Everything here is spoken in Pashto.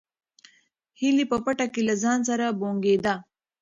هیلې په پټه کې له ځان سره بونګېده.